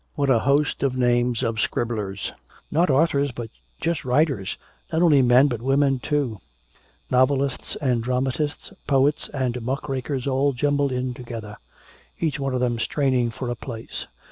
What a host of names of scribblers, not authors but just writers, not only men but women too, novelists and dramatists, poets and muckrakers all jumbled in together, each one of them straining for a place.